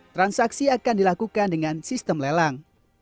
transaksi akan dilakukan dengan sistem lelang